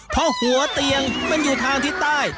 เพราะหัวเตียงมันอยู่ทางทิศใต้